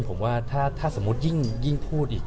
ผมว่าถ้าสมมุติยิ่งพูดอีก